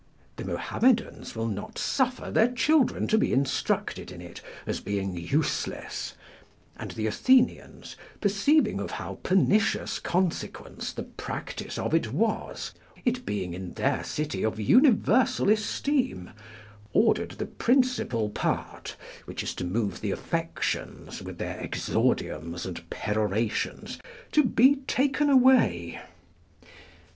The Mohammedans will not suffer their children to be instructed in it, as being useless, and the Athenians, perceiving of how pernicious consequence the practice of it was, it being in their city of universal esteem, ordered the principal part, which is to move the affections, with their exordiums and perorations, to be taken away.